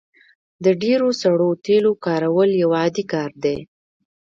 د ډیرو سړو تیلو کارول یو عادي کار دی